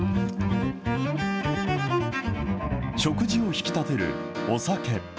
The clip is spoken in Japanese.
食事を引き立てるお酒。